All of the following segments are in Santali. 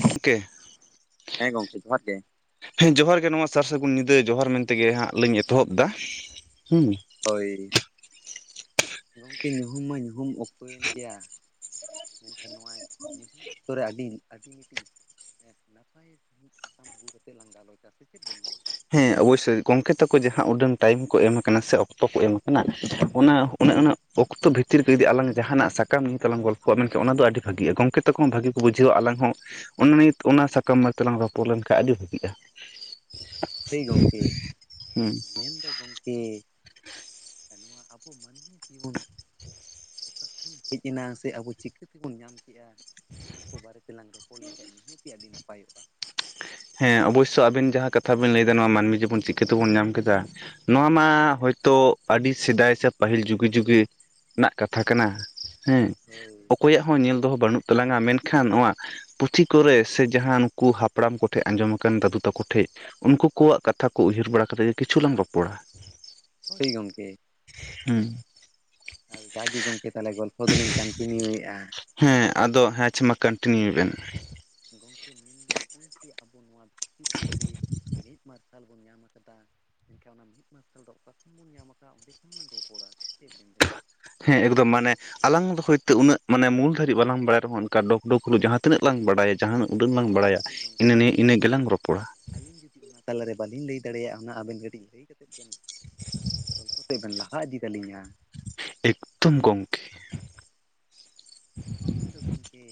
ᱜᱚᱢᱠᱮ ᱦᱮᱸ, ᱜᱚᱝᱠᱮ ᱡᱚᱦᱟᱨ ᱜᱮ? ᱦᱮᱸ ᱡᱚᱦᱟᱨ ᱜᱮ ᱱᱚᱣᱟ ᱥᱟᱨ ᱥᱟᱜᱩᱱ ᱧᱤᱫᱟᱹ, ᱡᱚᱦᱟᱨ ᱢᱮᱱᱛᱮ ᱜᱮ ᱦᱟᱸᱜ ᱞᱤᱧ ᱮᱛᱚᱦᱚᱵ ᱮᱫᱟ ᱦᱩᱸ᱾ ᱦᱳᱭ᱾ ᱜᱚᱢᱠᱮ ᱧᱩᱦᱩᱢ ᱢᱟ ᱧᱩᱦᱩᱢ ᱚᱠᱛᱚᱭᱮᱱ ᱜᱮᱭᱟ᱾ ᱢᱮᱱ ᱱᱚᱣᱟ ᱧᱩᱦᱩᱢ ᱚᱠᱛᱚ ᱨᱮ ᱟᱹᱰᱤ ᱟᱹᱰᱤ ᱢᱤᱫᱴᱤᱡ ᱱᱟᱯᱟᱭ ᱢᱤᱫ ᱥᱟᱠᱟᱢ ᱟᱹᱜᱩ ᱠᱟᱛᱮ ᱞᱟᱸᱜ ᱞᱮᱠᱟ ᱥᱮ ᱪᱮᱫ ᱵᱮᱱ ᱞᱟᱹᱭᱟ ᱦᱮᱸ ᱚᱵᱚᱥᱥᱳᱭ ᱜᱚᱝᱠᱮ ᱛᱟᱠᱚ ᱡᱟᱦᱟᱸ ᱩᱰᱟᱹᱱ ᱴᱟᱭᱤᱢ ᱠᱚ ᱮᱢ ᱠᱟᱱᱟ ᱥᱮ ᱚᱠᱛᱚ ᱠᱚ ᱮᱢ ᱠᱟᱱᱟ ᱚᱱᱟ ᱚᱱᱮ ᱚᱱᱟᱼᱼ ᱚᱠᱛᱚ ᱵᱷᱤᱛᱤᱨ ᱨᱮ ᱡᱩᱫᱤ ᱟᱞᱟᱝ ᱡᱟᱦᱟᱱᱟᱜ ᱥᱟᱠᱟᱢ ᱧᱩᱢ ᱛᱮᱞᱟᱝ ᱜᱚᱞᱯᱚᱜᱼᱟ ᱢᱮᱱᱠᱷᱟᱱ ᱚᱱᱟ ᱫᱚ ᱟᱰᱤ ᱵᱷᱟᱜᱤᱜᱼᱟ ᱜᱚᱢᱠᱮ ᱛᱟᱠᱚ ᱦᱚᱸ ᱵᱷᱟᱜᱤ ᱠᱚ ᱵᱩᱡᱷᱟᱹᱣᱟ ᱟᱞᱟᱝ ᱦᱚᱸᱼᱼ ᱚᱱᱟ ᱱᱤᱛ ᱚᱱᱟ ᱥᱟᱠᱟᱢ ᱢᱟᱛᱮᱞᱟᱝ ᱨᱚᱯᱚᱲ ᱞᱮᱱᱠᱷᱟᱱ ᱟᱰᱤ ᱵᱷᱟᱜᱤᱜᱼᱟ? ᱦᱳᱭ ᱜᱚᱢᱠᱮ ᱦᱩᱸ ᱢᱮᱱᱫᱚ ᱜᱚᱢᱠᱮ ᱱᱚᱣᱟ ᱟᱵᱚ ᱢᱟᱱᱡᱷᱤ ᱡᱤᱵᱚᱱᱼᱼ ᱚᱠᱟ ᱠᱷᱚᱱ ᱦᱮᱡ ᱮᱱᱟ ᱥᱮ ᱟᱵᱚ ᱪᱤᱠᱟᱹ ᱛᱮᱵᱚᱱ ᱧᱟᱢ ᱠᱮᱜᱼᱟ᱾ ᱚᱱᱟ ᱠᱚ ᱵᱟᱨᱮ ᱛᱮᱞᱟᱟᱝ ᱨᱚᱯᱚᱲ ᱞᱮᱱᱠᱷᱟᱡ ᱱᱤᱦᱟᱹᱛᱤ ᱟᱹᱰᱤ ᱱᱟᱯᱟᱭᱚᱜᱼᱟ᱾ ᱦᱮᱸ ᱚᱵᱚᱥᱥᱳᱭ ᱟᱵᱤᱱ ᱡᱟᱦᱟᱸ ᱠᱟᱛᱷᱟ ᱵᱮᱤᱱ ᱞᱟᱹᱭᱫᱟ ᱱᱚᱣᱟ ᱢᱟᱹᱱᱢᱤ ᱡᱮᱵᱚᱱ ᱪᱤᱠᱟᱹᱛᱮᱵᱚᱱ ᱧᱟᱢ ᱠᱮᱫᱟ᱾ ᱱᱚᱣᱟ ᱢᱟ ᱦᱚᱭᱛᱚ ᱟᱹᱰᱤ ᱥᱮᱫᱟᱭ ᱥᱮ ᱯᱟᱹᱦᱤᱞ ᱡᱩᱜᱤ ᱡᱩᱜᱤ ᱨᱮᱱᱟᱜ ᱠᱟᱛᱷᱟ ᱠᱟᱱᱟ᱾ ᱦᱮᱸ ᱦᱳᱭ ᱚᱠᱚᱭᱟᱜᱼᱼ ᱧᱮᱞ ᱫᱚᱦᱚ ᱵᱟᱹᱱᱩᱜ ᱛᱟᱞᱟᱝᱟ ᱢᱮᱱᱠᱷᱟᱱ ᱱᱚᱣᱟ ᱯᱩᱛᱷᱤ ᱠᱚᱨᱮ ᱥᱮ ᱡᱟᱦᱟᱸ ᱱᱩᱠᱩ ᱦᱟᱯᱲᱟᱢ ᱠᱚᱼᱼ ᱴᱷᱮᱱ ᱟᱸᱡᱚᱢ ᱟᱠᱟᱱ ᱫᱟᱫᱩ ᱛᱟᱠᱚ ᱴᱷᱮᱱ ᱩᱱᱠᱩ ᱠᱚᱣᱟᱜ ᱠᱟᱛᱷᱟ ᱠᱚ ᱩᱭᱦᱟᱹᱨ ᱵᱟᱲᱟ ᱠᱟᱛᱮ ᱜᱮ ᱠᱤᱪᱷᱩ ᱞᱟᱝ ᱨᱚᱯᱚᱲᱟ᱾ ᱦᱳᱭ ᱜᱚᱢᱠᱮ ᱦᱮᱸᱻ ᱟᱨ ᱡᱟᱜᱮ ᱜᱚᱢᱠᱮ ᱛᱟᱦᱚᱞᱮ ᱜᱚᱞᱯᱚ ᱫᱚᱞᱤᱧ ᱠᱚᱱᱴᱤ ᱱᱤᱭᱩᱮᱫᱼᱟ᱾ ᱦᱮᱸ ᱟᱫᱚ ᱦᱮᱸ ᱟᱪᱪᱷᱟ ᱢᱟ ᱠᱚᱱᱴᱤᱱᱤᱭᱩ ᱵᱮᱱ? ᱜᱚᱢᱠᱮ ᱢᱮᱱᱫᱚ ᱱᱚᱜᱼᱚᱭ ᱡᱮ ᱟᱵᱚ ᱱᱚᱣᱟ ᱫᱷᱟᱹᱨᱛᱤ ᱯᱩᱨᱤ ᱨᱮ ᱢᱤᱫ ᱢᱟᱨᱼᱼ ᱢᱟᱨᱥᱟᱞ ᱵᱚᱱ ᱧᱟᱢ ᱟᱠᱟᱫᱟ ᱮᱱᱠᱷᱟᱱ ᱚᱱᱟ ᱢᱤᱫ ᱢᱟᱨᱥᱟᱞ ᱫᱚ ᱚᱠᱟ ᱠᱷᱚᱱ ᱵᱚᱱ ᱧᱟᱢ ᱟᱠᱟᱫᱟ ᱚᱸᱰᱮ ᱠᱷᱚᱱ ᱞᱟᱝ ᱨᱚᱯᱚᱲᱟ ᱪᱮᱫ? ᱵᱮᱱ ᱞᱟᱹᱭᱟ ᱦᱮᱸ ᱮᱠᱫᱚᱢ ᱢᱟᱱᱮᱼᱼ ᱟᱞᱟᱝ ᱫᱚ ᱦᱚᱭᱛ ᱩᱱᱟᱹᱜ ᱢᱟᱱᱮ ᱢᱩᱞ ᱫᱟᱨᱤᱡ ᱵᱟᱞᱟᱜ ᱨᱮᱦᱚᱸᱚᱱᱠᱟ ᱰᱚᱜᱽ ᱰᱚᱜᱽ ᱞᱩᱩᱜ ᱡᱟᱦᱟᱸ ᱛᱤᱱᱟᱹᱜ ᱞᱟᱝ ᱵᱟᱲᱟᱭᱟᱼᱼ ᱡᱟᱦᱟᱱᱟᱜ ᱩᱰᱟᱹᱱ ᱞᱟᱝ ᱵᱟᱲᱟᱭᱟ ᱦᱳᱭ ᱤᱱᱟᱹ ᱜᱚᱝᱠᱮ ᱱᱤᱭᱟᱹᱮ ᱤᱱᱟᱹᱜ ᱜᱮᱞᱟᱝ ᱨᱚᱯᱚᱲᱟ᱾ ᱟᱹᱞᱤᱧ ᱡᱩᱫᱤ ᱚᱱᱟ ᱛᱟᱞᱟᱨᱮ ᱵᱟᱹᱞᱤᱧ ᱞᱟᱹᱭ ᱫᱟᱲᱮᱭᱟᱜᱼᱟ ᱚᱱᱟ ᱟᱵᱮᱱ ᱜᱟᱹᱰᱤᱡᱼᱼ ᱞᱟᱹᱭ ᱠᱟᱛᱮᱫ ᱵᱮᱱ ᱜᱚᱞᱯᱚ ᱛᱮ ᱵᱮᱱ ᱞᱟᱦᱟ ᱤᱫᱤ ᱛᱟᱞᱤᱧᱟ᱾ ᱮᱠᱫᱚᱢ ᱜᱚᱝᱠᱮ᱾ ᱟᱞᱤᱧ ᱫᱚ ᱜᱚᱢᱠᱮ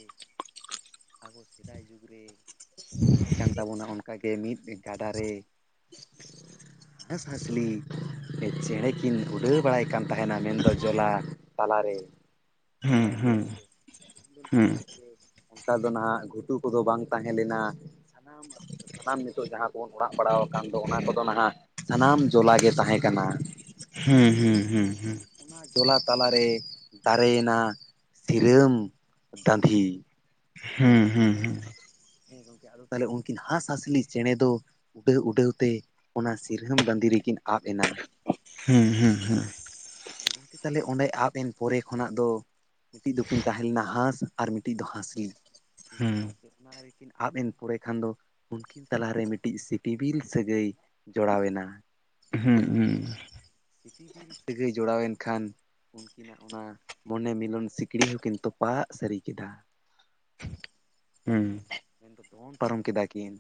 ᱟᱵᱚ ᱥᱮᱫᱟᱭ ᱡᱩᱜᱽ ᱨᱮ ᱛᱟᱦᱮᱸ ᱠᱟᱱ ᱛᱟᱵᱚᱱᱟ ᱚᱱᱠᱟᱼᱼ ᱢᱤᱫ ᱜᱟᱰᱟ ᱨᱮᱼᱼ ᱦᱮᱸᱥ ᱦᱟᱸᱥᱞᱤ ᱪᱮᱬᱮᱸ ᱠᱤᱱ ᱩᱰᱟᱹᱣ ᱵᱟᱲᱟᱭ ᱠᱟᱱ ᱛᱟᱦᱮᱱᱟ ᱢᱮᱱᱫᱚ ᱡᱚᱞᱟ ᱛᱟᱞᱟᱨᱮᱼᱼ ᱦᱩᱸ ᱦᱩᱸ ᱦᱮᱸ ᱥᱮ ᱦᱩᱸ ᱜᱚᱢᱠᱮ ᱚᱱᱠᱟ ᱫᱚ ᱱᱟᱦᱟᱜ ᱜᱷᱩᱴᱩ ᱠᱚᱫᱚ ᱵᱟᱝ ᱛᱟᱦᱮᱸ ᱞᱮᱱᱟ, ᱥᱟᱱᱟᱢ ᱥᱟᱱᱟᱢ ᱱᱤᱛᱚᱜ ᱡᱟᱦᱟᱸ ᱠᱚᱵᱚᱱ ᱚᱲᱟᱜ ᱵᱟᱲᱟ ᱟᱠᱟᱱ ᱫᱚ ᱚᱱᱟ ᱠᱚᱫᱚ ᱱᱟᱦᱟᱜ ᱥᱟᱱᱟᱢ ᱡᱚᱞᱟ ᱜᱮᱼᱼ ᱛᱟᱦᱮᱸ ᱠᱟᱱᱟ᱾ ᱦᱩ ᱦᱩ ᱦᱩ ᱦᱩ ᱚᱱᱟ ᱡᱚᱞᱟ ᱛᱟᱞᱟᱨᱮ ᱫᱟᱨᱮᱭᱮᱱᱟ ᱥᱤᱨᱟᱹᱢ ᱫᱟᱹᱫᱷᱤ ᱦᱩ ᱦᱩ ᱦᱩ ᱦᱮᱸ ᱜᱚᱢᱠᱮ ᱟᱫᱚ ᱛᱟᱦᱚᱞᱮ ᱩᱱᱠᱤᱱ ᱦᱟᱸᱥᱼᱦᱟᱸᱥᱞᱤ ᱪᱮᱬᱮ ᱫᱚᱼᱼ ᱩᱰᱟᱹᱣ ᱩᱰᱟᱹᱣ ᱛᱮ ᱚᱱᱟ ᱥᱤᱨᱟᱹᱢ ᱫᱟᱹᱫᱤ ᱨᱮᱠᱤᱱ ᱟᱵ ᱮᱱᱟ ᱦᱮᱸ ᱦᱮᱸ ᱦᱮᱸ ᱜᱚᱢᱠᱮ ᱛᱟᱦᱚᱞᱮ ᱚᱸᱰᱮ ᱟᱵ ᱮᱱ ᱯᱚᱨᱮ ᱠᱷᱚᱱᱟᱜ ᱫᱚ ᱢᱤᱫᱴᱤᱡ ᱫᱚᱠᱤᱱ ᱛᱟᱦᱮᱸ ᱞᱮᱱᱟ ᱦᱟᱸᱥᱼᱼ ᱟᱨ ᱢᱤᱫᱴᱤᱡ ᱫᱚ ᱦᱟᱸᱥᱞᱤ ᱢᱮᱱ ᱫᱚᱼᱼ ᱦᱩᱸ ᱚᱱᱟ ᱨᱮᱠᱤᱱ ᱟᱵ ᱮᱱ ᱯᱚᱨᱮ ᱠᱷᱟᱱ ᱫᱚ ᱩᱱᱠᱤᱱ ᱛᱟᱞᱟᱨᱮ ᱢᱤᱫᱴᱤᱡ ᱥᱤᱯᱤᱵᱤᱞ ᱥᱟᱹᱜᱟᱹᱭᱼᱼ ᱡᱚᱲᱟᱣ ᱮᱱᱟ᱾ ᱦᱩᱸ ᱦᱩᱸ ᱥᱤᱯᱤᱵᱤᱞ ᱥᱟᱹᱜᱟᱹᱭ ᱡᱚᱲᱟᱣ ᱮᱱ ᱠᱷᱟᱱᱼᱼ ᱩᱱᱠᱤᱱᱟᱜ ᱚᱱᱟ ᱢᱚᱱᱮ ᱢᱤᱞᱚᱱ ᱥᱤᱠᱲᱤ ᱦᱚᱸᱠᱤᱱ ᱛᱚᱯᱟᱜ ᱥᱟᱹᱨᱤ ᱠᱮᱫᱟ᱾ ᱦᱩᱸ ᱦᱮᱸ ᱢᱮᱱᱫᱚ ᱫᱚᱱ ᱯᱟᱨᱚᱢ ᱠᱮᱫᱟ ᱠᱤᱱ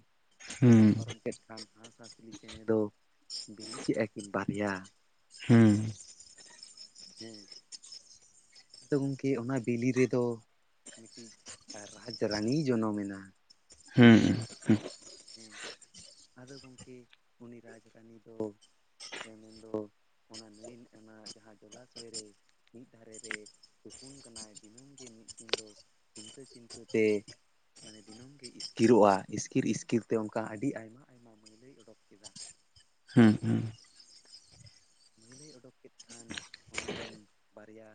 ᱦᱩᱸ ᱦᱩᱸ ᱫᱚᱱ ᱯᱟᱨᱚᱢ ᱠᱮᱫᱼᱼ ᱮᱠᱷᱟᱱ ᱦᱟᱸᱥ ᱦᱟᱸᱥᱞᱤ ᱪᱮᱬᱮ ᱫᱚ ᱵᱤᱞᱤ ᱠᱮᱜᱼᱟ ᱠᱤᱱ ᱵᱟᱨᱭᱟ᱾ ᱦᱩᱸ᱾ ᱦᱮᱸ ᱟᱫᱚ ᱜᱚᱝᱠᱮ ᱚᱱᱟ ᱵᱤᱞᱤ ᱨᱮᱫᱚ ᱢᱤᱫ ᱨᱟᱡᱽ ᱨᱟᱱᱤ ᱡᱚᱱᱚᱢᱮ ᱮᱱᱟ᱾ ᱦᱩᱸ ᱦᱩᱸ᱾ ᱦᱮᱸ ᱟᱫᱚ ᱜᱚᱝᱠᱮ ᱩᱱᱤ ᱨᱟᱡᱽ ᱨᱟᱱᱤ ᱫᱚ ᱛᱮᱢᱚᱱᱫᱚ ᱚᱱᱟ ᱱᱟᱹᱭ ᱢᱮᱱᱟᱜ ᱚᱱᱟ ᱡᱟᱦᱟᱸ ᱡᱚᱞᱟᱥᱚᱭ ᱨᱮ ᱢᱤᱫ ᱫᱷᱟᱨᱮ ᱨᱮ ᱛᱩᱯᱩᱱ ᱠᱟᱱᱟᱭ ᱫᱤᱱᱟᱹᱢ ᱜᱮ, ᱢᱤᱫ ᱫᱤᱱ ᱫᱚ ᱪᱤᱱᱛᱟᱹ ᱪᱤᱱᱛᱟᱹᱛᱮ ᱢᱟᱱᱮ ᱫᱤᱱᱟᱹᱢ ᱜᱮ ᱤᱥᱠᱤᱨᱚᱜᱼᱟ ᱤᱥᱠᱤᱨ ᱤᱥ ᱠᱤᱨ ᱛᱮ ᱚᱱᱠᱟ ᱟᱹᱰᱤ ᱟᱭᱢᱟ ᱟᱭᱢᱟ ᱢᱟᱹᱭᱞᱟᱹᱭ ᱚᱰᱚᱠ ᱠᱮᱫᱟ ᱦᱩᱸ ᱦᱩᱸ ᱢᱟᱹᱭᱞᱟᱹᱭ ᱳᱰᱳᱠ ᱠᱮᱫ ᱠᱷᱟᱱ ᱚᱱᱟ ᱨᱮᱱ ᱵᱟᱨᱭᱟ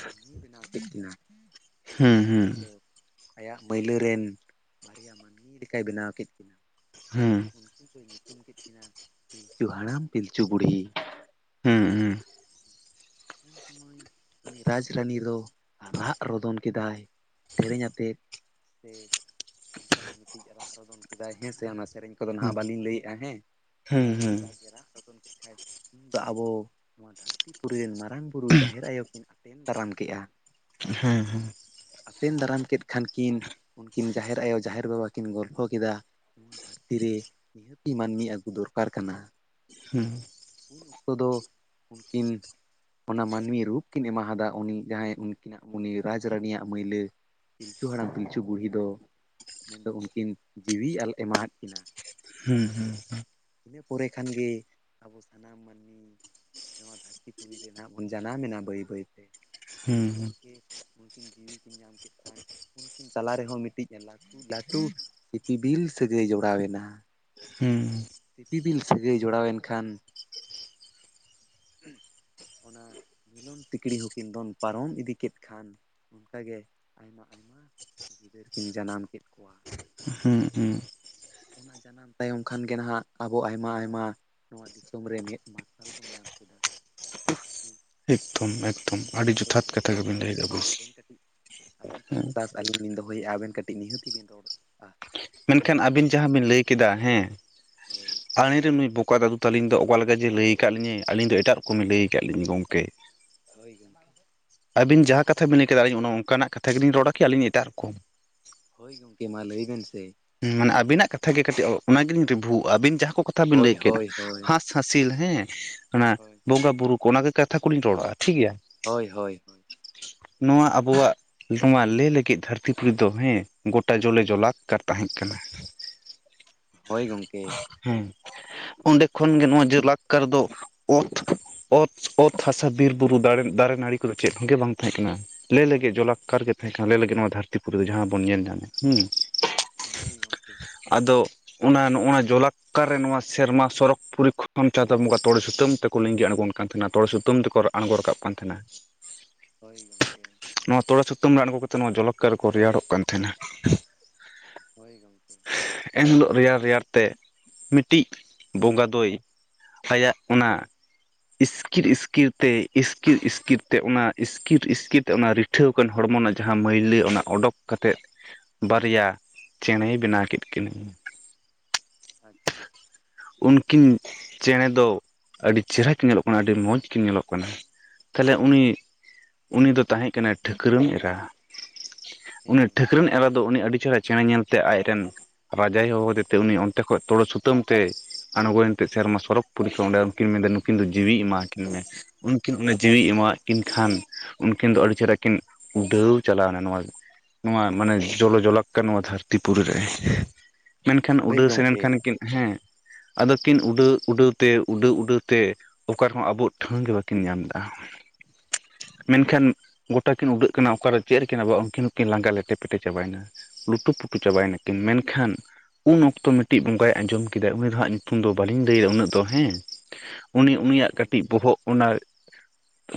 ᱢᱟᱱᱢᱤᱭ ᱵᱮᱱᱟᱣ ᱠᱮᱫ ᱠᱤᱱᱟ᱾ ᱦᱩᱸ ᱢᱮᱱᱫᱚ ᱟᱭᱟᱜ ᱢᱟᱹᱭᱞᱟᱹ ᱨᱮᱱ ᱵᱟᱨᱭᱟ ᱢᱟᱹᱱᱢᱤ ᱞᱮᱠᱟᱭ ᱵᱮᱱᱟᱣ ᱠᱮᱫ ᱠᱤᱱᱟᱹ᱾ ᱦᱩᱸ ᱩᱱᱠᱤᱱ ᱫᱚᱭ ᱧᱩᱛᱩᱢ ᱠᱮᱫ ᱠᱤᱱᱟᱹ ᱯᱤᱞᱪᱩ ᱦᱟᱲᱟᱢ ᱯᱤᱞᱪᱩ ᱵᱩᱲᱦᱤ᱾ ᱦᱩᱸ ᱦᱩᱸ ᱦᱩᱸ ᱩᱱ ᱥᱚᱢᱚᱭ ᱩᱱᱤ ᱨᱟᱡᱽ ᱨᱟᱱᱤ ᱫᱚ ᱨᱟᱜ ᱨᱚᱫᱚᱱ ᱠᱮᱫᱟᱭ ᱥᱮᱨᱮᱧ ᱟᱛᱮᱫ᱾ ᱥᱮ ᱚᱱᱠᱟᱱᱟᱜ ᱢᱤᱫᱴᱤᱡ ᱨᱟᱜ᱾ ᱨᱚᱫᱚᱱ ᱠᱮᱫᱟᱭ ᱦᱮᱸ ᱥᱮ ᱚᱱᱟ ᱥᱮᱨᱮᱧ ᱠᱚᱫᱚ ᱦᱩᱸ ᱱᱟᱦᱟᱜ ᱵᱟᱹᱞᱤᱧ ᱞᱟᱹᱭᱮᱜᱼᱟ ᱦᱮᱸ ᱦᱩᱸ ᱡᱟᱜ ᱜᱮ ᱨᱟᱜ ᱨᱚᱫᱚᱱ ᱠᱮᱫ ᱠᱷᱟᱡ ᱩᱱ ᱫᱚ ᱟᱵᱚ ᱱᱚᱣᱟ ᱫᱷᱟᱹᱨᱛᱤ ᱯᱩᱨᱤ ᱨᱮᱱ ᱢᱟ ᱢᱟᱨᱟᱝ ᱵᱩᱨᱩ ᱡᱟᱦᱮᱨ ᱟᱭᱳ ᱠᱤᱱ ᱟᱛᱮᱱ ᱫᱟᱨᱟᱢ ᱠᱮᱫᱼᱟ᱾ ᱦᱮᱸ ᱦᱮᱸ᱾ ᱟᱛᱮᱱ ᱫᱟᱨᱟᱢ ᱠᱮᱫ ᱠᱷᱟᱱ ᱠᱤᱱ ᱩᱱᱠᱤᱱ ᱡᱟᱦᱮᱨ ᱟᱭᱳ ᱡᱟᱦᱮᱨ ᱵᱟᱵᱟ ᱠᱤᱱ ᱜᱚᱞᱯᱷᱚ ᱠᱮᱫᱟ, ᱱᱚᱣᱟ ᱫᱷᱟᱹᱨᱛᱤ ᱨᱮ ᱱᱤᱦᱟᱹᱛᱤ ᱢᱟᱹᱱᱢᱤ ᱟᱹᱜᱩ ᱫᱚᱨᱠᱟᱨ ᱠᱟᱱᱟ᱾ ᱦᱩᱸ᱾ ᱩᱱ ᱚᱠᱛᱚ ᱫᱚ ᱩᱱᱠᱤᱱ ᱚᱱᱟ ᱢᱟᱹᱱᱢᱤ ᱨᱩᱯ ᱠᱤᱱ ᱮᱢᱟ ᱦᱟᱫᱟ ᱩᱱᱤ ᱡᱟᱦᱟᱸᱭ ᱩᱱᱠᱤᱱᱟᱜ ᱩᱱᱤ ᱨᱟᱡᱽ ᱨᱟᱱᱤᱭᱟᱜ ᱢᱟᱹᱭᱞᱟᱹ, ᱯᱤᱞᱪᱩ ᱦᱟᱲᱟᱢ ᱯᱤᱞᱪᱩ ᱵᱩᱲᱦᱤ ᱫᱚ ᱢᱮᱱᱫᱚ ᱩᱱᱠᱤᱱ ᱡᱤᱣᱤ ᱟᱞ ᱮᱢᱟ ᱟᱫ ᱠᱤᱱᱟ᱾ ᱦᱩᱸ ᱦᱩᱸ ᱦᱩᱸ᱾ ᱤᱱᱟᱹ ᱯᱚᱨᱮ ᱠᱷᱟᱱ ᱜᱮ ᱟᱵᱚ ᱥᱟᱱᱟᱢ ᱢᱟᱹᱱᱢᱤ ᱱᱚᱣᱟ ᱫᱷᱟᱹᱨᱛᱤ ᱯᱩᱨᱤ ᱨᱮ ᱱᱟᱦᱟᱜ ᱵᱚᱱ ᱡᱟᱱᱟᱢᱮᱱᱟ ᱵᱟᱹᱭ ᱵᱟᱹᱭ ᱛᱮ ᱢᱮᱱᱫᱚ ᱦᱩᱸ ᱜᱚᱝᱠᱮ ᱩᱱ ᱠᱤᱱ ᱡᱤᱣᱤ ᱠᱤᱱ ᱧᱟᱢ ᱠᱮᱫ ᱠᱷᱟᱱ ᱩᱱᱠᱤᱱ ᱛᱟᱞᱟ ᱨᱮᱦᱚᱸ ᱢᱤᱫᱴᱤᱡ ᱞᱟᱹᱴᱩ ᱞᱟᱹᱴᱩ ᱥᱤᱯᱤᱵᱤᱞ ᱥᱟᱹᱜᱟᱹᱭ ᱡᱚᱲᱟᱣᱮᱱᱟ᱾ ᱦᱩᱸ᱾ ᱥᱤᱤᱯᱤᱵᱤᱞ ᱥᱟᱹᱜᱟᱹᱭ ᱡᱚᱲᱟᱣᱮᱱ ᱠᱷᱟᱱ, ᱚᱱᱟ ᱢᱤᱞᱚᱱ ᱥᱤᱠᱲᱤ ᱦᱚᱸ ᱠᱤᱱ ᱫᱚᱱ ᱯᱟᱨᱚᱢ ᱤᱫᱤ ᱠᱮᱫ ᱠᱷᱟᱱ ᱚᱱᱠᱟ ᱜᱮ ᱟᱭᱢᱟ ᱟᱭᱢᱟ ᱜᱤᱫᱟᱹᱨ ᱠᱤᱱ ᱡᱟᱱᱟᱢ ᱠᱮᱫ ᱠᱚᱣᱟ᱾ ᱦᱩᱸ ᱦᱩᱸ᱾ ᱚᱱᱟ ᱡᱟᱱᱟᱢ ᱛᱟᱭᱚᱢ ᱠᱷᱚᱱ ᱜᱮ ᱱᱟᱦᱟᱜ ᱟᱵᱚ ᱟᱭᱢᱟ ᱟᱭᱢᱟ ᱱᱚᱣᱟ ᱫᱤᱥᱚᱢ ᱨᱮ ᱢᱮᱫ ᱢᱟᱨᱥᱟᱞ ᱵᱚᱱ ᱧᱟᱢ ᱠᱮ ᱫᱟ, ᱦᱩᱸ᱾ ᱮᱠᱫᱚᱢ ᱮᱠᱫᱚᱢ ᱟᱹᱰᱤ ᱦᱳᱭ ᱡᱚᱛᱷᱟᱛ ᱜᱚᱝᱠᱮ ᱠᱟᱛᱷᱟ ᱟᱫᱚ ᱜᱮᱵᱤᱱ ᱢᱟ ᱞᱟᱹᱭ ᱮᱫᱟ ᱠᱟᱹᱴᱤᱡ ᱵᱚᱥ ᱟᱵᱮᱱ ᱠᱟᱹᱴᱤᱡ, ᱟᱵᱮᱱ ᱴᱷᱮᱡ ᱟᱨᱫᱟᱥ ᱟᱹᱞᱤᱧ ᱞᱤᱧ ᱫᱚᱦᱚᱭᱮᱫᱼᱟ ᱟᱵᱮᱱ ᱠᱟᱹᱴᱤᱡ ᱱᱤᱦᱟᱹᱛᱤ ᱵᱤᱱ ᱨᱚᱲ ᱟ᱾ ᱢᱮᱱᱠᱷᱟᱱ ᱟᱹᱵᱤᱱ ᱡᱟᱦᱟᱸ ᱵᱤᱱ ᱞᱟᱹᱭ ᱠᱮᱫᱟ ᱦᱮᱸ, ᱦᱳᱭ᱾ ᱟᱞᱮᱨᱮᱱ ᱱᱩᱭ ᱵᱚᱠᱟ ᱫᱟᱫᱩ ᱛᱟᱹᱞᱤᱧ ᱫᱚ ᱚᱠᱟ ᱞᱮᱠᱟ ᱡᱮ ᱞᱟᱹᱭ ᱟᱠᱟᱫ ᱞᱤᱧᱟᱹᱭ ᱟᱹᱞᱤᱧ ᱫᱚ ᱮᱴᱟᱜ ᱨᱚᱠᱚᱢᱮᱭ ᱞᱟᱹᱭ ᱟᱠᱟᱫ ᱞᱤᱧᱟᱹ ᱜᱚᱢᱠᱮ᱾ ᱦᱳᱭ ᱜᱚᱝᱠᱮ᱾ ᱟᱹᱵᱤᱱ ᱡᱟᱦᱟᱸ ᱠᱟᱛᱷᱟ ᱵᱤᱱ ᱞᱟᱹᱭ ᱠᱮᱫᱟ ᱟᱞᱤᱧ ᱚᱱᱠᱟᱱᱟᱜ ᱠᱟᱛᱷᱟ ᱜᱮᱞᱤᱧ ᱨᱚᱲᱟ ᱠᱤ ᱟᱹᱞᱤᱧ ᱮᱴᱟᱜ ᱨᱚᱠᱚᱢ? ᱦᱳᱭ ᱜᱚᱝᱠᱮ ᱢᱟ ᱞᱟᱹᱭ ᱵᱮᱱ ᱥᱮ᱾ ᱢᱟᱱᱮ ᱟᱹᱵᱤᱱᱟᱜ ᱠᱟᱛᱷᱟ ᱜᱮ ᱠᱟᱹᱴᱤᱡ ᱚᱱᱟ ᱜᱮ ᱞᱤᱧ ᱨᱤᱵᱷᱩᱜᱼᱟ ᱟᱹᱵᱤᱱ ᱡᱟᱦᱟᱸ ᱠᱚ ᱠᱟᱛᱷᱟ ᱵᱤᱱ ᱦᱳᱭ ᱞᱟᱹᱭ ᱠᱮᱫ, ᱦᱳᱭ ᱦᱳᱭ ᱦᱟᱸᱥ ᱦᱟᱸᱥᱤᱞ ᱦᱮᱸ ᱚᱱᱟ ᱦᱳᱭ ᱵᱚᱸᱜᱟ ᱵᱩᱨᱩ ᱠᱚ, ᱚᱱᱟ ᱜᱮ ᱠᱟᱛᱷᱟ ᱠᱚᱞᱤᱧ ᱨᱚᱲᱟ ᱴᱷᱤᱠ ᱜᱮᱭᱟ᱾ ᱦᱳᱭ ᱦᱳᱭ ᱦᱳᱭ᱾ ᱱᱚᱣᱟ ᱟᱵᱚᱣᱟᱜ ᱱᱚᱣᱟ ᱞᱮ ᱞᱮᱸᱜᱮᱫ ᱫᱷᱟᱹᱨᱛᱤ ᱯᱩᱨᱤ ᱫᱚ ᱦᱮᱸ ᱜᱚᱴᱟ ᱡᱚᱞᱮ ᱡᱚᱞᱟᱠᱠᱟᱨ ᱛᱟᱦᱮᱸ ᱠᱟᱱᱟ᱾ ᱦᱳᱭ ᱜᱚᱝᱠᱮ᱾ ᱦᱩᱸ, ᱚᱸᱰᱮ ᱠᱷᱚᱱ ᱜᱮ ᱱᱚᱣᱟ ᱡᱮᱞᱟᱠᱠᱟᱨ ᱫᱚ ᱚᱛ, ᱚᱛ, ᱚᱛ ᱦᱟᱥᱟ ᱵᱤᱨ ᱵᱩᱨᱩ ᱫᱟᱨᱮ ᱫᱟᱨᱮ ᱱᱟᱹᱲᱤ ᱠᱚᱫᱚ ᱪᱮᱫ ᱦᱚᱸᱜᱮ ᱵᱟᱝ ᱛᱟᱦᱮᱸ ᱠᱟᱱᱟ᱾ ᱞᱮ-ᱞᱮᱸᱜᱮᱫ ᱡᱚᱞᱞᱟᱠᱟᱨ ᱜᱮ ᱛᱟᱦᱮᱸ ᱠᱟᱱᱟ ᱞᱮ-ᱞᱮᱸᱜᱮᱫ ᱱᱚᱣᱟ ᱫᱷᱟᱹᱨᱛᱤ ᱯᱩᱨᱤ ᱫᱚ ᱡᱟᱦᱟᱸ ᱵᱚᱱ ᱧᱮᱞ ᱧᱟᱢᱮᱫ ᱦᱩᱸ᱾ ᱦᱳᱭ ᱜᱚᱝᱠᱮ᱾ ᱟᱫᱚ ᱚᱱᱟ, ᱱᱚᱣᱟ ᱡᱚᱞᱟᱠᱠᱟᱨ ᱨᱮ ᱱᱚᱣᱟ ᱥᱮᱨᱢᱟ ᱥᱚᱨᱚᱠ ᱯᱚᱨᱤᱠᱷᱚᱱ ᱪᱟᱸᱫ ᱵᱚᱸᱜᱟ ᱛᱚᱲᱮ ᱥᱩᱛᱟᱹᱢ ᱛᱮᱠᱚ ᱞᱤᱜᱤ ᱟᱬᱜᱚᱱ ᱠᱟᱱ ᱛᱟᱸᱦᱮᱱᱟ, ᱛᱚᱲᱮ ᱥᱩᱛᱟᱹᱢ ᱛᱮᱠᱚ ᱟᱬᱜᱚ ᱨᱟᱠᱟᱵ ᱠᱟᱱ ᱛᱟᱸᱦᱮᱱᱟ᱾ ᱦᱳᱭ ᱜᱚᱝᱠᱮ᱾ ᱱᱚᱣᱟ ᱛᱚᱲᱮ ᱥᱩᱛᱟᱹᱢ ᱨᱮ ᱟᱬᱜᱚ ᱠᱟᱛᱮ ᱱᱚᱣᱟ ᱡᱚᱞᱚᱠᱠᱟᱨ ᱠᱚ ᱨᱮᱭᱟᱲᱚᱜ ᱠᱟᱱ ᱛᱟᱸᱦᱮᱱᱟ᱾ ᱦᱳᱭ ᱜᱚᱝᱠᱮ᱾ ᱮᱱᱦᱤᱞᱳᱜ ᱨᱮᱭᱟᱲ ᱨᱮᱭᱟᱲ ᱛᱮ ᱢᱤᱫᱴᱤᱡ ᱵᱚᱸᱜᱟ ᱫᱚᱭ ᱟᱭᱟᱜ ᱚᱱᱟ ᱤᱥᱠᱤᱨ ᱤᱥᱠᱤᱨ ᱛᱮ, ᱤᱥᱠᱤᱨ ᱤᱥᱠᱤᱨ ᱛᱮ ᱚᱱᱟ, ᱤᱥᱠᱤᱨ ᱤᱥᱠᱤᱨ ᱛᱮ ᱚᱱᱟ ᱴᱷᱟᱹᱣᱠᱟᱱ ᱦᱚᱲᱢᱚ ᱨᱮᱱᱟᱜ ᱡᱟᱦᱟᱸ ᱢᱟᱹᱭᱞᱟᱹ ᱚᱱᱟ ᱚᱰᱚᱠ ᱠᱟᱛᱮᱫ ᱵᱟᱨᱭᱟ ᱪᱮᱬᱮᱭ ᱵᱮᱱᱟᱣ ᱠᱮᱫ ᱠᱤᱱᱟᱹ᱾ ᱟᱪᱪᱷᱟ᱾ ᱩᱱᱠᱤᱱ ᱪᱮᱬᱮ ᱫᱚ ᱟᱹᱰᱤ ᱪᱮᱦᱨᱟ ᱠᱤᱱ ᱧᱮᱞᱚᱜ ᱠᱟᱱᱟ ᱟᱹᱰᱤ ᱢᱚᱸᱡᱽ ᱠᱤᱱ ᱧᱮᱞᱚᱜ ᱠᱟᱱᱟ ᱛᱟᱦᱞᱮ ᱩᱱᱤ ᱩᱱᱤ ᱫᱚ ᱛᱟᱦᱮᱸ ᱠᱟᱱᱟᱭ ᱴᱷᱟᱹᱠᱨᱟᱹᱱ ᱮᱨᱟ᱾ ᱢᱟᱱᱮ ᱦᱮᱸ ᱜᱚᱝᱠᱮ ᱴᱷᱟᱹᱠᱨᱟᱹᱱ ᱮᱨᱟ ᱫᱚ ᱩᱱᱤ ᱟᱹᱰᱤ ᱪᱮᱦᱨᱟ ᱪᱮᱬᱮ ᱧᱮᱞ ᱥᱮ ᱟᱡᱨᱮᱱ ᱨᱟᱡᱟᱭ ᱦᱚᱦᱚ ᱟᱫᱮᱛᱮ ᱩᱱᱤ ᱚᱱᱛᱮ ᱠᱷᱚᱡ ᱛᱚᱲᱮ ᱥᱩᱛᱟᱹᱢ ᱛᱮᱭ ᱟᱬᱜᱚᱭᱮᱱᱛᱮ ᱥᱮᱨᱢᱟ ᱥᱚᱨᱚᱜᱽ ᱯᱚᱨᱤ ᱠᱷᱚᱱ ᱚᱸᱰᱮ ᱩᱱᱠᱤᱱ ᱢᱮᱱᱫᱟ ᱱᱩᱠᱤᱱ ᱫᱚ ᱡᱤᱣᱤᱭ ᱮᱢᱟ ᱠᱤᱱᱟᱹ, ᱩᱱᱠᱤᱱ ᱚᱱᱟ ᱡᱤᱣᱭᱤᱭ ᱮᱢᱟᱣᱟᱫ ᱠᱤᱱ ᱠᱷᱟᱱ ᱩᱱᱠᱤᱱ ᱫᱚ ᱟᱹᱰᱤ ᱪᱮᱦᱨᱟ ᱠᱤᱱ ᱩᱰᱷᱟᱹᱣᱻ ᱪᱟᱞᱟᱣᱮᱱᱟ ᱱᱚᱣᱟ ᱱᱚᱣᱟ ᱢᱟᱱᱮ ᱡᱚᱞᱚ ᱡᱚᱞᱟᱠᱠᱟᱨ ᱱᱚᱣᱟ ᱫᱷᱟᱹᱨᱛᱤᱯᱩᱨᱤ ᱨᱮ᱾ ᱢᱮᱱᱠᱷᱟᱱ ᱦᱳᱭ ᱩᱰᱟᱹᱣ ᱥᱮᱱᱮᱱ ᱜᱚᱝᱠᱮ ᱠᱤᱱ ᱦᱮᱸ ᱟᱫᱚᱠᱤᱱ ᱩᱰᱟᱹᱣ ᱩᱰᱟᱹᱣ ᱛᱮ, ᱩᱰᱟᱹᱣ ᱩᱰᱟᱹᱣ ᱛᱮ ᱚᱠᱟᱨ ᱨᱮᱦᱚᱸ ᱟᱵᱚ ᱴᱷᱟᱹᱶ ᱜᱮ ᱵᱟᱹᱠᱤᱱ ᱧᱟᱢ ᱞᱮᱜ-ᱟ᱾ [inaudible] ᱢᱮᱱᱠᱷᱟᱱ ᱜᱚᱴᱟ ᱠᱤᱱ ᱩᱰᱟᱹᱜ ᱠᱟᱱᱟ, ᱚᱠᱟᱨᱮ ᱪᱮᱫ ᱨᱮᱠᱤᱱ ᱟᱵᱚᱜ-ᱟ ᱩᱱᱠᱤᱱ ᱦᱚᱸᱠᱤᱱ ᱞᱟᱸᱜᱟ ᱞᱮᱴᱮ ᱯᱮᱴᱮ ᱪᱟᱵᱟᱭᱮᱱᱟ᱾ ᱞᱩᱴᱩ ᱯᱩᱴᱩ ᱪᱟᱵᱟᱭᱮᱱᱟᱠᱤᱱ᱾ ᱢᱮᱱᱠᱷᱟᱱ ᱩᱱ ᱚᱠᱛᱚ ᱢᱤᱫ ᱢᱤᱫᱴᱤᱡ ᱵᱚᱸᱜᱟᱭ ᱟᱸᱡᱚᱢ ᱠᱮᱫᱟ ᱩᱱᱤ ᱫᱚ ᱦᱟᱸᱜ ᱧᱩᱛᱩᱢ ᱫᱚ ᱵᱟᱹᱞᱤᱧ ᱞᱟᱹᱭᱟ ᱩᱱᱟᱹᱜ ᱫᱚ ᱦᱮᱸ᱾ ᱩᱱᱤ ᱦᱳᱭ ᱩᱱᱤᱭᱟᱜ ᱠᱟᱹᱴᱤᱡ ᱜᱚᱝᱠᱮ ᱵᱚᱦᱚᱜ ᱚᱱᱟ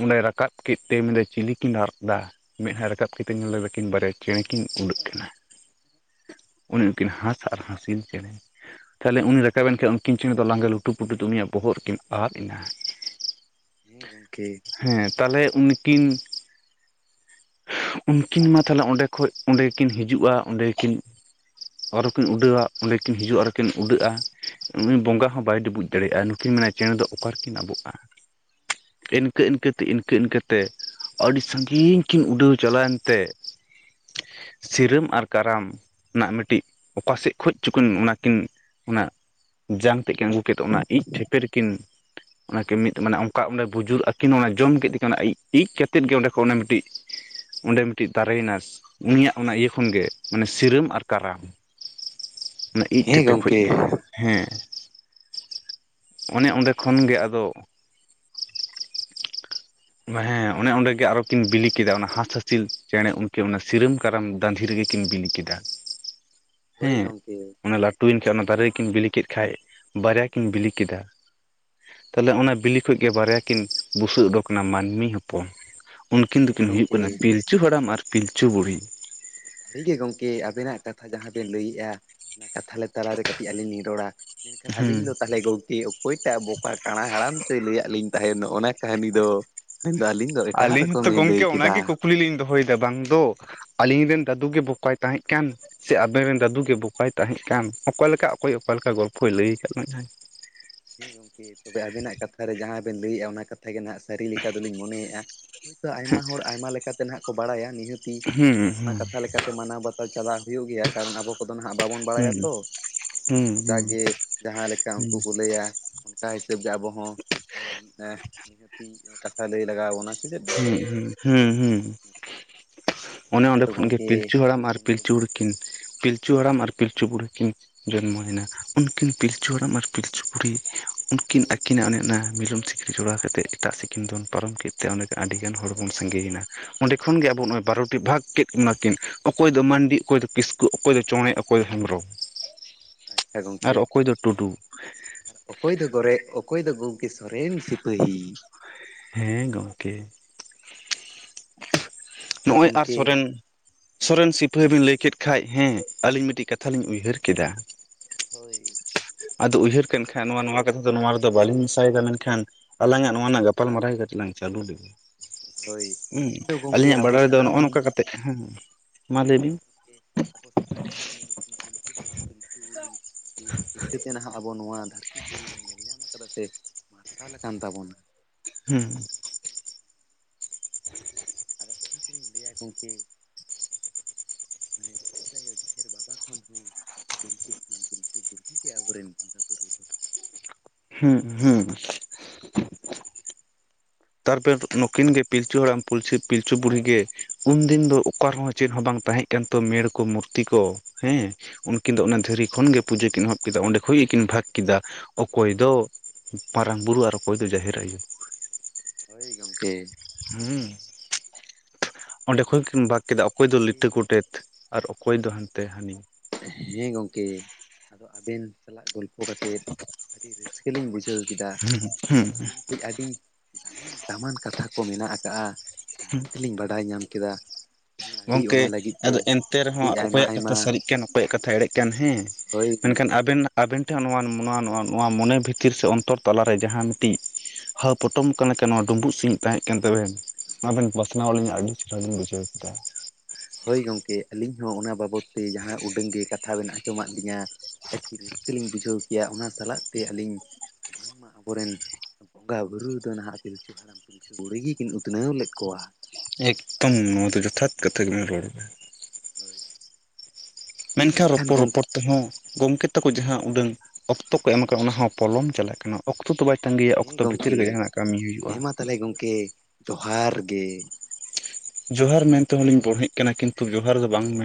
ᱚᱸᱰᱮᱭ ᱨᱟᱠᱟᱵ ᱠᱮᱫ ᱛᱮ ᱢᱮᱱᱫᱟᱭ ᱪᱤᱞᱤᱠᱤᱱ ᱨᱟᱜ ᱫᱟ? ᱢᱮᱸᱫᱦᱟᱭ ᱨᱟᱠᱟᱵ ᱠᱟᱛᱮ ᱧᱮᱞᱮ ᱫᱚ ᱠᱤᱱ ᱵᱟᱨᱭᱟ ᱪᱮᱬᱮ ᱠᱤᱱ ᱩᱰᱟᱹᱜ ᱠᱤᱱᱟ, ᱩᱱᱠᱤᱱ ᱦᱟᱸᱥ ᱟᱨ ᱦᱟᱸᱥᱤᱞ ᱪᱮᱬᱮ᱾ ᱛᱟᱦᱚᱞᱮ ᱩᱱᱤ ᱨᱟᱠᱟᱵᱮᱱ ᱠᱷᱟᱡᱽ ᱩᱱᱠᱤᱱ ᱪᱮᱸᱬᱮ ᱫᱚ ᱞᱟᱸᱜᱟ ᱞᱩᱴᱩ ᱯᱩᱴᱩ ᱛᱮ, ᱩᱱᱤᱭᱟᱜ ᱵᱚᱦᱚᱜ ᱨᱮᱠᱤᱱ ᱟᱫ ᱮᱱᱟ᱾ ᱦᱮᱸ ᱜᱚᱢᱠᱮ᱾ ᱦᱮᱸ ᱛᱟᱦᱚᱞᱮ ᱩᱱᱠᱤᱱ ᱩᱱᱠᱤᱱ ᱢᱟ ᱛᱟᱦᱚᱞᱮ ᱚᱸᱰᱮ ᱠᱷᱚᱡᱽ ᱚᱸᱰᱮ ᱠᱤᱱ ᱦᱤᱡᱩᱜᱼᱟ, ᱚᱸᱰᱮ ᱠᱤᱱ ᱟᱨᱚ ᱠᱤᱱ ᱩᱰᱟᱹᱣᱟ, ᱚᱸᱰᱮ ᱠᱤᱱ ᱦᱤᱡᱩᱜᱼᱟ, ᱟᱨᱠᱤᱱ ᱩᱰᱟᱹᱜᱼᱟ᱾ ᱵᱚᱸᱜᱟ ᱦᱚᱸ ᱵᱟᱭ ᱰᱩᱵᱩᱡ ᱫᱟᱲᱮᱭᱟᱜᱼᱟ᱾ ᱱᱩᱠᱤᱱ ᱢᱮᱱᱟ ᱪᱮᱬᱮ ᱫᱚ ᱚᱠᱟ ᱨᱮᱠᱤᱱ ᱟᱵᱚᱜᱼᱟ ᱾ [inaudible] ᱤᱱᱠᱟᱹ ᱤᱱᱠᱟᱹ ᱛᱮ, ᱤᱱᱠᱟᱹ ᱤᱱᱠᱟᱹᱛᱮ, ᱟᱹᱰᱤ ᱥᱟᱺᱜᱤᱧ ᱠᱤᱱ ᱩᱰᱟᱹᱣ ᱪᱟᱞᱟᱣᱮᱱ ᱛᱮ ᱥᱤᱨᱟᱹᱢ ᱟᱨ ᱠᱟᱨᱟᱢ ᱨᱮᱱᱟᱜ ᱢᱤᱫᱴᱤᱡ ᱚᱠᱟᱥᱮᱫ ᱠᱷᱚᱡᱽ ᱪᱚ ᱩᱱ ᱠᱤᱱ ᱚᱱᱟ ᱠᱤᱱ ᱚᱱᱟ ᱡᱟᱝ ᱛᱮᱫ ᱠᱤᱱ ᱟᱹᱜᱩ ᱠᱮᱫ, ᱚᱱᱟ ᱤᱡ ᱴᱷᱮᱯᱮ ᱨᱮᱠᱤᱱ [inaudible] ᱚᱱᱟ ᱠᱤᱱ ᱢᱤᱫ ᱢᱟᱱᱮ ᱚᱱᱠᱟ ᱚᱸᱰᱮ ᱵᱩᱡᱩᱨ ᱟᱹᱠᱤᱱ ᱚᱱᱟ ᱡᱚᱢ ᱠᱮᱫ ᱛᱟᱹᱠᱤᱱ, ᱚᱱᱟ ᱤᱡ ᱠᱟᱛᱮᱫ ᱜᱮ ᱚᱸᱰᱮ ᱠᱷᱚᱱ ᱚᱱᱟ ᱢᱤᱫᱴᱤᱡ ᱚᱸᱰᱮ ᱢᱤᱫᱴᱤᱡ ᱫᱟᱨᱮᱭ ᱮᱱᱟ᱾ ᱩᱱᱤᱭᱟᱜ ᱚᱱᱟ ᱤᱭᱟᱹ ᱠᱷᱚᱱ ᱜᱮ ᱢᱟᱱᱮ ᱥᱤᱨᱟᱹᱢ ᱟᱨ ᱠᱟᱨᱟᱢ᱾ ᱚᱱᱟ ᱤᱡ ᱦᱮᱸ ᱛᱷᱮᱯᱮ ᱠᱷᱚᱡ ᱜᱚᱝᱠᱮ ᱜᱮ᱾ ᱦᱮᱸ ᱚᱱᱮ ᱚᱸᱰᱮ ᱠᱷᱚᱱ ᱜᱮ ᱟᱫᱚ ᱦᱮᱸ ᱚᱱᱮ ᱚᱸᱰᱮ ᱜᱮ ᱟᱨᱚ ᱠᱤᱱ ᱵᱤᱞᱤ ᱠᱮᱫᱟ, ᱚᱱᱟ ᱦᱟᱸᱥᱼᱦᱟᱸᱥᱤᱞ ᱪᱮᱸᱬᱮ ᱩᱱᱠᱤᱱ ᱚᱱᱟ ᱥᱤᱨᱟᱹᱢ ᱠᱟᱨᱟᱢ ᱫᱟᱺᱫᱷᱤ ᱨᱮᱜᱮ ᱠᱤᱱ ᱵᱤᱞᱤ ᱠᱮᱫᱟ ᱾ [inaudible] ᱦᱮᱸ ᱜᱚᱝᱠᱮ ᱚᱱᱟ ᱞᱟᱹᱴᱩᱭᱮᱱ ᱠᱷᱟᱡᱽ, ᱚᱱᱟ ᱫᱟᱨᱮ ᱨᱮᱠᱤᱱ ᱵᱤᱞᱤ ᱠᱮᱫ ᱠᱷᱟᱡᱽ ᱵᱟᱨᱭᱟ ᱠᱤᱱ ᱵᱤᱞᱤ ᱠᱮᱫᱟ ᱾ ᱛᱟᱦᱚᱞᱮ ᱚᱱᱟ ᱵᱤᱞᱤ ᱠᱷᱚᱡ ᱜᱮ ᱵᱟᱨᱭᱟ ᱠᱤᱱ ᱵᱩᱥᱟᱹᱜ ᱩᱰᱚᱠ ᱠᱟᱱᱟ ᱢᱟᱹᱱᱢᱤ ᱦᱚᱯᱚᱱ, ᱩᱱᱠᱤᱱ ᱦᱮᱸ ᱫᱚᱠᱤᱱ ᱦᱩᱭᱩᱜ ᱜᱚᱝᱠᱮ ᱠᱟᱱᱟ ᱯᱤᱞᱪᱩ ᱦᱟᱲᱟᱢ ᱟᱨ ᱯᱤᱞᱪᱩ ᱵᱩᱲᱦᱤ᱾ ᱥᱟᱹᱨᱤ ᱜᱮ ᱜᱚᱝᱠᱮ ᱟᱵᱮᱱᱟᱜ ᱠᱟᱛᱷᱟ, ᱡᱟᱦᱟᱸ ᱵᱮᱱ ᱞᱟᱹᱭᱮᱜᱼᱟ᱾ ᱚᱱᱟ ᱠᱟᱛᱷᱟ ᱛᱟᱞᱟ ᱨᱮ ᱠᱟᱹᱴᱤᱡ ᱟᱹᱞᱤᱧ ᱞᱤᱧ ᱨᱚᱲᱟ, ᱢᱮᱱᱠᱷᱟᱱ ᱦᱩᱸ ᱟᱹᱞᱤᱧ ᱫᱚ ᱛᱟᱞᱚᱦᱮ ᱜᱚᱝᱠᱮ ᱚᱠᱚᱭ ᱴᱟᱜ ᱵᱚᱠᱟ ᱠᱟᱸᱬᱟ ᱦᱟᱲᱟᱢ ᱪᱚᱭ ᱞᱟᱹᱭᱟᱫ ᱞᱤᱧ ᱛᱟᱦᱮᱱ ᱱᱚᱭᱼᱚᱭ ᱚᱱᱟ ᱠᱟᱹᱦᱱᱤ ᱫᱚ ᱢᱮᱱ ᱫᱚ ᱟᱹᱞᱤᱧ ᱫᱚ ᱮᱴᱟᱜ ᱨᱚᱠᱚ ᱞᱤᱧ ᱞᱟᱹᱭ ᱠᱮᱫᱟ᱾ ᱠᱩᱞᱤ ᱞᱤᱧ ᱫᱚᱦᱚᱭᱮᱫᱟ ᱵᱟᱝ ᱫᱚ, ᱟᱹᱞᱤᱧ ᱨᱮᱱ ᱫᱟᱫᱩ ᱜᱮ ᱵᱚᱠᱚᱟᱭ ᱛᱟᱦᱮᱸᱱ ᱠᱟᱱ ᱥᱮ ᱟᱵᱮᱱ ᱨᱮᱱ ᱫᱟᱫᱩ ᱜᱮ ᱵᱚᱠᱟᱭ ᱛᱟᱦᱮᱸᱜ ᱠᱟᱱ? ᱚᱠᱟ ᱞᱮᱠᱟ ᱚᱠᱚᱭ ᱚᱠᱟ ᱞᱮᱠᱟ ᱜᱚᱞᱯᱷᱚᱭ ᱞᱟᱹᱭ ᱟᱠᱟᱫ ᱞᱟᱝ ᱟᱭ᱾ ᱦᱮᱸ ᱜᱚᱝᱠᱮ ᱛᱚᱵᱮ ᱟᱵᱮᱱᱟᱜ ᱠᱟᱛᱷᱟ ᱨᱮ ᱡᱟᱦᱟᱸ ᱵᱮᱱ ᱞᱟᱹᱭᱮᱜᱼᱟ, ᱚᱱᱟ ᱠᱟᱛᱷ ᱛᱷᱟᱹᱜᱮ ᱱᱟᱦᱟᱜ ᱥᱟᱹᱨᱤ ᱞᱮᱠᱟ ᱫᱚᱞᱤᱧ ᱢᱚᱱᱮᱭᱮᱜᱼᱟ, ᱦᱳᱭᱼᱛᱚ ᱟᱭᱢᱟ ᱦᱚᱲ ᱟᱭᱢᱟ ᱞᱮᱠᱟ ᱛᱮ ᱱᱟᱦᱟᱜ ᱵᱟᱲᱟᱭᱟ᱾ ᱱᱤᱦᱟᱹᱛᱤ ᱦᱩᱸ ᱚᱱᱟ ᱦᱩᱸ ᱠᱟᱛᱷᱟ ᱞᱮᱠᱟ ᱛᱮ ᱢᱟᱱᱟᱣ ᱵᱟᱛᱟᱣ ᱪᱟᱞᱟᱜ ᱦᱩᱭᱩᱜ ᱜᱮᱭᱟ, ᱠᱟᱨᱚᱱ ᱟᱵᱚ ᱠᱚᱫᱚ ᱱᱟᱦᱟᱜ ᱵᱟᱵᱚᱱ ᱦᱩᱸ ᱵᱟᱲᱟᱭᱟ ᱛᱚ, ᱦᱩᱸ ᱦᱮᱸ ᱦᱩᱸ ᱡᱟᱹᱜᱮ ᱡᱟᱦᱟᱸ ᱞᱮᱠᱟ ᱦᱩᱸ ᱩᱱᱠᱩ ᱠᱚ ᱞᱟᱹᱭᱟ ᱚᱱᱠᱟ ᱦᱤᱥᱟᱹᱵᱽ ᱜᱮ ᱟᱵᱚ ᱦᱚᱸ ᱱᱤᱦᱟᱹᱛᱤ ᱠᱟᱛᱷᱟ ᱞᱟᱹᱭ ᱞᱟᱜᱟᱣ ᱵᱚᱱᱟ᱾ ᱦᱩᱸ, ᱦᱩᱸ, ᱦᱩᱸ, ᱦᱩᱸ᱾ ᱚᱱᱮ ᱚᱸᱰᱮ ᱟᱫᱚ ᱠᱷᱚᱱ ᱜᱮ ᱜᱚᱢᱠᱮ ᱯᱤᱞᱪᱩ ᱦᱟᱲᱟᱢ ᱟᱨ ᱢᱮᱱᱫᱚ ᱯᱤᱞᱪᱩ ᱵᱩᱲᱦᱤ ᱜᱚᱢᱠᱮ ᱠᱤᱱ ᱯᱤᱞᱪᱩ ᱦᱟᱲᱟᱢ ᱟᱨ ᱯᱤᱞᱪᱩ ᱵᱩᱲᱦᱤ ᱠᱤᱱ ᱡᱚᱱᱢᱚᱭᱮᱱᱟ, ᱩᱱᱠᱤᱱ ᱯᱤᱞᱪᱩ ᱦᱟᱲᱟᱢ ᱟᱨ ᱯᱤᱞᱪᱩ ᱵᱩᱲᱦᱤ ᱩᱱᱠᱤᱱ ᱟᱹᱠᱤᱱᱟᱜ ᱚᱱᱮ ᱚᱱᱟ ᱢᱤᱞᱳᱱ ᱡᱚᱲᱟᱣ ᱠᱟᱛᱮᱜ ᱮᱴᱟᱜ ᱥᱮᱜᱠᱤᱱ ᱫᱚᱱ ᱯᱟᱨᱚᱢ ᱠᱮᱫ ᱛᱮ, ᱚᱸᱰᱮ ᱟᱹᱰᱤᱜᱟᱱ ᱦᱚᱲ ᱵᱚᱱ ᱥᱟᱸᱜᱮᱭ ᱮᱱᱟ᱾ ᱚᱸᱰᱮ ᱠᱷᱚᱱ ᱜᱮ ᱟᱵᱚ ᱵᱟᱨᱚᱴᱤ ᱵᱷᱟᱜᱽ ᱠᱮᱫ ᱵᱟᱠᱤᱱ ᱚᱠᱚᱭ ᱫᱚ ᱢᱟᱹᱱᱰᱤ, ᱚᱠᱚᱭ ᱫᱚ ᱠᱤᱥᱠᱩ, ᱚᱠᱚᱭ ᱫᱚ ᱪᱚᱸᱬᱮ, ᱚᱠᱚᱭ ᱫᱚ ᱦᱮᱢᱵᱨᱚᱢ, ᱟᱪᱪᱷᱟ ᱟᱨ ᱜᱚᱝᱠᱮ, ᱚᱠᱚᱭ ᱫᱚ ᱴᱩᱰᱩ ᱚᱠᱚᱭ ᱫᱚ ᱜᱚᱨᱮ ᱚᱠᱚᱭ ᱫᱚ ᱜᱚᱝᱠᱮ ᱥᱚᱨᱮᱱ ᱥᱤᱯᱟᱹᱦᱤ? ᱦᱮᱸ, ᱜᱚᱝᱠᱮ᱾ ᱟᱫᱚ ᱱᱚᱜ-ᱚᱭ ᱟᱨ ᱜᱚᱢᱠᱮ ᱥᱚᱨᱮᱱ ᱥᱚᱨᱮᱱ ᱥᱤᱯᱟᱹᱦᱤ ᱵᱤᱱ ᱞᱟᱹᱭ ᱠᱮᱫ ᱠᱷᱟᱡᱽ, ᱦᱮᱸ ᱟᱹᱞᱤᱧ ᱢᱤᱫᱴᱤᱡ ᱠᱟᱛᱷᱟ ᱞᱤᱧ ᱩᱭᱦᱟᱹᱨ ᱠᱮᱫᱟ ᱦᱳᱭ᱾ ᱟᱫᱚ ᱩᱭᱦᱟᱹᱨ ᱠᱮᱫ ᱠᱷᱟᱱ ᱱᱚᱣᱟ ᱱᱚᱣᱟ ᱠᱟᱛᱷᱟ ᱫᱚ ᱱᱚᱣᱟ ᱨᱮᱫᱚ ᱵᱟᱞᱤᱧ ᱢᱮᱥᱟᱭᱮᱫᱟ, ᱢᱮᱱᱠᱷᱟᱱ ᱟᱞᱟᱝ ᱟᱜ ᱦᱳᱭ ᱱᱚᱣᱟ ᱜᱚᱢᱠᱮ ᱱᱟᱜ ᱜᱟᱯ ᱯᱟᱞᱢᱟᱨᱟᱣ ᱠᱟᱹᱴᱤᱡ ᱞᱟᱝ ᱪᱟᱹᱞᱩ ᱞᱮᱜᱮ᱾ ᱦᱳᱭ, ᱦᱩᱸ ᱢᱮᱱᱫᱚ ᱜᱚᱝᱠᱮ ᱟᱹᱞᱤᱧᱟᱜ ᱟᱵᱚ ᱵᱟᱰᱟᱭ ᱨᱮᱫᱚ ᱥᱟᱱᱟᱢ ᱱᱚᱜᱼᱚ ᱱᱚᱝᱠᱟ ᱢᱟᱹᱱᱢᱤ ᱠᱟᱛᱮᱜ ᱦᱮᱸ ᱢᱟ ᱞᱟᱹᱭ ᱢᱮᱱᱫᱚ ᱵᱤᱱ ᱜᱚᱝᱠᱮ ᱟᱯᱮᱥᱮ ᱥᱟᱱᱟᱢ ᱢᱟᱹᱱᱢᱤ ᱱᱩᱠᱤᱱ ᱯᱤᱞᱪᱩ ᱦᱟᱲᱟᱢ ᱯᱤᱞᱪᱩ ᱵᱩᱲᱦᱤ ᱤᱠᱟᱹᱛᱮ ᱱᱟᱦᱟᱜ ᱟᱵᱚ ᱱᱚᱣᱟ ᱫᱷᱟᱹᱨᱛᱤ ᱠᱩᱲᱤ ᱵᱚᱱ ᱧᱮᱞ ᱧᱟᱢ ᱟᱠᱟᱫᱟ ᱥᱮ ᱢᱟᱨᱥᱟᱞ ᱟᱠᱟᱱ ᱛᱟᱵᱚᱱᱟ᱾ ᱦᱩᱸ᱾ ᱟᱫᱚ ᱚᱱᱟ ᱛᱤᱞᱤᱧ ᱞᱟᱹᱭᱟ ᱜᱚᱝᱠᱮ ᱢᱟᱱᱮ, ᱡᱟᱦᱮᱨ ᱟᱭᱳ ᱡᱟᱦᱮᱨ ᱵᱟᱵᱟ ᱠᱷᱚᱱ ᱦᱚᱸ ᱯᱤᱞᱪᱩ ᱦᱟᱲᱟᱢ ᱯᱤᱞᱪᱩ ᱵᱩᱲᱦᱤ ᱜᱮ ᱟᱵᱚ ᱨᱮᱱ ᱵᱚᱸᱜᱟ ᱵᱩᱨᱩ ᱫᱚ᱾ ᱦᱮᱸ ᱦᱮᱸ᱾ ᱛᱟᱨᱯᱮᱨ ᱱᱩᱠᱤᱱ ᱜᱮ ᱯᱤᱞᱪᱩ ᱦᱟᱲᱟᱢ ᱯᱩᱞᱥᱤ ᱯᱤᱞᱪᱩ ᱵᱩᱲᱦᱤ ᱜᱮ, ᱩᱱᱫᱤᱱ ᱫᱚ ᱚᱠᱟ ᱨᱮᱦᱚᱸ ᱪᱮᱫ ᱦᱚᱸ ᱵᱟᱝ ᱛᱟᱦᱮᱸᱜ ᱠᱮᱱᱛᱚ ᱢᱮᱲ ᱠᱚ ᱢᱩᱨᱛᱤ ᱠᱚ ᱦᱮᱸ, ᱩᱱᱠᱤᱱ ᱫᱚ ᱚᱱᱟ ᱦᱳᱭ ᱫᱷᱤᱨᱤ ᱠᱷᱚᱱ ᱜᱮ ᱯᱩᱡᱟᱹ ᱠᱤᱱ ᱮᱦᱚᱵ ᱠᱮᱫᱟ, ᱚᱸᱰᱮ ᱠᱷᱚᱡ ᱜᱮᱠᱤᱱ ᱵᱷᱟᱜᱽ ᱠᱮᱫᱟ, ᱚᱠᱚᱭ ᱫᱚ ᱢᱟᱨᱟᱝ ᱵᱩᱨᱩ ᱟᱨ ᱚᱠᱚᱭ ᱫᱚ ᱡᱟᱦᱮᱨ ᱟᱭᱩ᱾ ᱦᱳᱭ ᱜᱚᱝᱠᱮ᱾ ᱦᱮᱸ, ᱟᱫᱚ ᱚᱸᱰᱮ ᱠᱷᱚᱱ ᱜᱚᱢᱠᱮ ᱜᱮᱠᱤᱱ ᱵᱷᱟᱜᱽ ᱠᱮᱫᱟ ᱚᱠᱚᱭ ᱫᱚ ᱡᱟᱜᱮ ᱞᱤᱴᱟᱹ ᱜᱚᱰᱮᱛ ᱟᱨ ᱚᱠᱚᱭ ᱫᱚ ᱦᱟᱱᱛᱮ ᱦᱟᱹᱱᱤ᱾ ᱦᱮᱸ ᱜᱚᱝᱠᱮ ᱟᱫᱚ ᱟᱵᱮᱱ ᱪᱟᱞᱟᱜ ᱵᱮᱱ᱾ ᱛᱳᱯᱚ ᱠᱟᱛᱮᱫ ᱟᱹᱰᱤ ᱨᱟᱹᱥᱠᱟᱹ ᱞᱤᱧ ᱵᱩᱡᱷᱟᱹᱣ ᱠᱮᱫᱟ ᱦᱩᱸ ᱟᱹᱵᱤᱱ ᱟᱹᱰᱤ ᱫᱟᱢᱟᱱ ᱫᱟᱢᱟᱱ ᱠᱟᱛᱷᱟ ᱠᱚ ᱢᱮᱱᱟᱜ ᱠᱟᱜ-ᱟ᱾ ᱱᱤᱛᱞᱤᱧ ᱵᱟᱰᱟᱭ ᱧᱟᱢ ᱠᱮᱫᱟ᱾ ᱦᱮᱸ ᱟᱹᱰᱤ ᱜᱚᱝᱠᱮ ᱚᱱᱟ ᱞᱟᱹᱜᱤᱫ ᱛᱮ ᱟᱫᱚ ᱮᱱᱛᱮ ᱟᱹᱰᱤ ᱨᱮᱦᱚᱸ, ᱟᱭᱢᱟ ᱚᱠᱚᱭᱟᱜ ᱟᱭᱢᱟ ᱠᱟᱛᱷᱟ ᱥᱟᱹᱨᱤᱜ ᱠᱟᱱ ᱚᱠᱚᱭᱟᱜ ᱠᱟᱛᱷᱟ ᱮᱲᱮᱜ ᱠᱟᱱ ᱦᱮᱸ, ᱦᱳᱭ ᱢᱮᱱᱠᱷᱟᱱ ᱟᱵᱮᱱᱟᱜ ᱟᱵᱮᱱ ᱴᱷᱮᱱ ᱱᱚᱣᱟ ᱱᱚᱣᱟ ᱱᱚᱣᱟ ᱢᱚᱱᱮ ᱵᱷᱤᱛᱤᱨ ᱥᱮ ᱚᱱᱛᱚᱨ ᱛᱟᱞᱟᱨᱮ, ᱡᱟᱦᱟᱸ ᱢᱤᱫᱴᱤᱡ ᱦᱟᱣ ᱯᱚᱴᱚᱢ ᱠᱟᱱᱟ ᱞᱮᱠᱟ ᱱᱚᱣᱟ ᱰᱩᱢᱵᱩᱜ ᱥᱤᱜ ᱛᱟᱸᱦᱮᱜ ᱠᱟᱱ ᱛᱟᱵᱮᱱ, ᱚᱱᱟ ᱵᱮᱱ ᱯᱟᱥᱱᱟᱣ ᱟᱹᱞᱤᱧᱟᱹ ᱟᱹᱰᱤ ᱪᱮᱦᱨᱟ ᱞᱤᱧ ᱵᱩᱡᱷᱟᱹᱣ ᱠᱮᱫᱟ ᱾ [unintelligible] ᱦᱳᱭ ᱜᱚᱝᱠᱮ, ᱟᱹᱞᱤᱧ ᱦᱚᱸ ᱚᱱᱟ ᱵᱟᱵᱚᱫ ᱛᱮ ᱡᱟᱦᱟᱸ ᱩᱰᱟᱹᱝ ᱜᱮ ᱠᱟᱛᱷᱟ ᱵᱮᱱ ᱟᱸᱡᱚᱢᱟᱫ ᱞᱤᱧᱟ᱾ ᱟᱹᱰᱤ ᱨᱟᱹᱥᱠᱟᱹ ᱞᱤᱧ ᱵᱩᱡᱷᱟᱹᱣ ᱠᱮᱭᱟ, ᱚᱱᱟ ᱥᱟᱞᱟᱜ ᱛᱮ ᱟᱹᱞᱤᱧ ᱵᱟᱝᱢᱟ ᱟᱵᱚᱨᱮᱱ ᱵᱚᱸᱜᱟ ᱵᱩᱨᱩ ᱫᱚ ᱱᱟᱦᱟᱜ ᱯᱤᱞᱪᱩ ᱦᱟᱲᱟᱢ ᱯᱤᱞᱪᱩ ᱵᱩᱲᱦᱤ ᱜᱤᱠᱤᱱ ᱩᱛᱱᱟᱹᱣ ᱞᱮᱫ ᱠᱚᱣᱟ᱾ ᱮᱠᱫᱚᱢ ᱱᱚᱣᱟ ᱫᱚ ᱡᱚᱛᱷᱟᱛ ᱠᱟᱛᱷᱟ ᱜᱮᱵᱚᱱ ᱨᱚᱲ ᱮᱫᱟ᱾ ᱦᱳᱭ᱾ ᱢᱮᱱᱠᱷᱟᱱ ᱨᱚᱯᱚᱲ ᱨᱚᱯᱚᱲ ᱛᱮᱦᱚᱸ ᱜᱚᱢᱠᱮ ᱛᱟᱠᱚ ᱡᱟᱦᱟᱸ ᱩᱰᱟᱹᱝ ᱚᱠᱛᱚ ᱠᱚ ᱮᱢ ᱟᱠᱟᱜ-ᱟ, ᱚᱱᱟ ᱦᱚᱸ ᱯᱚᱞᱚᱢ ᱪᱟᱞᱟᱜ ᱠᱟᱱᱟ᱾ ᱚᱠᱛᱚ ᱫᱚ ᱵᱟᱭ ᱛᱟᱜᱤᱭᱟ, ᱚᱠᱛᱚ ᱵᱷᱤᱛᱤᱨ ᱜᱮ ᱡᱟᱸᱦᱟᱱᱟᱜ ᱠᱟᱹᱢᱤ ᱦᱩᱭᱩᱜᱼᱟ᱾ ᱛᱟᱦᱞᱮ ᱜᱚᱝᱠᱮ᱾ ᱛᱚᱦᱟᱨ ᱜᱮ᱾ ᱡᱚᱦᱟᱨ ᱢᱮᱱᱛᱮ ᱦᱚᱞᱤᱧ ᱵᱚᱲᱦᱮᱜ ᱠᱟᱱᱟ, ᱠᱤᱱᱛᱩ ᱡᱚᱦᱟᱨ ᱫᱚ ᱵᱟᱝ ᱢᱮᱱ